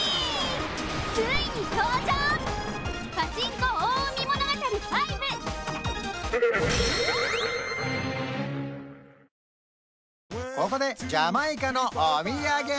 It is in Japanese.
これここでジャマイカのお土産